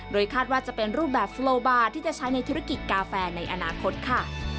คาดว่าจะเป็นรูปแบบฟุโลบาร์ที่จะใช้ในธุรกิจกาแฟในอนาคตค่ะ